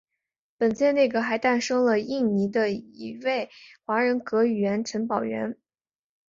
本届内阁还诞生了印尼第一位华人阁员陈宝源。